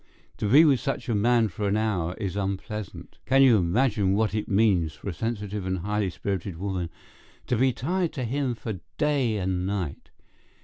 To be with such a man for an hour is unpleasant. Can you imagine what it means for a sensitive and high spirited woman to be tied to him for day and night?